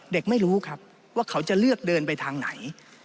เด็กไม่รู้ครับว่าเขาจะเลือกเดินไปทางไหน